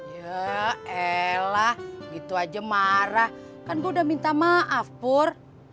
ya elah gitu aja marah kan gua udah minta maaf pur